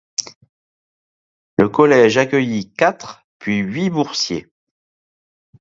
Le collège accueillit quatre, puis huit boursiers.